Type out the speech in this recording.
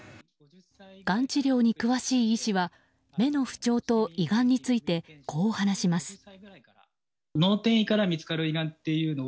がん治療に詳しい医師は目の不調と胃がんについてこう話します。